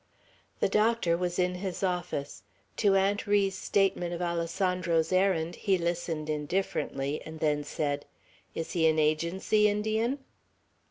The doctor was in his office. To Aunt Ri's statement of Alessandro's errand he listened indifferently, and then said, "Is he an Agency Indian?"